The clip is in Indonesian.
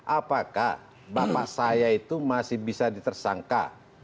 apakah bapak saya itu masih bisa ditersangka